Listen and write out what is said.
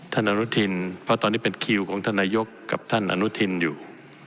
อนุทินเพราะตอนนี้เป็นคิวของท่านนายกกับท่านอนุทินอยู่